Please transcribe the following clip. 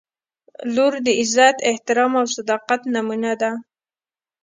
• لور د عزت، احترام او صداقت نمونه ده.